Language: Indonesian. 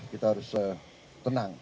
kita harus tenang